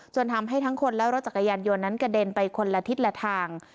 ทำให้ทั้งคนและรถจักรยานยนต์นั้นกระเด็นไปคนละทิศละทาง